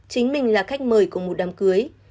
chính mình là khách mời của một đám cưới